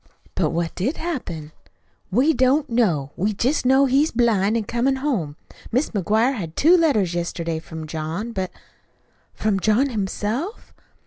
"But what did happen?" "We don't know. We just know he's blind an' comin' home. Mis' McGuire had two letters yesterday from John, but " "From John himself?"